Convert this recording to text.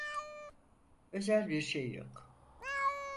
Özel bir şey yok.